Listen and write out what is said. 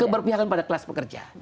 keberpihakan pada kelas pekerja